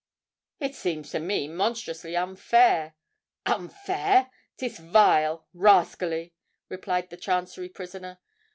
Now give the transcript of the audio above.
"It seems to me monstrously unfair——" "Unfair! 'tis vile—rascally!" cried the Chancery prisoner.